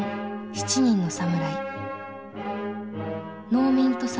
「七人の侍」